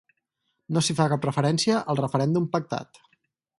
No s’hi fa cap referència al referèndum pactat.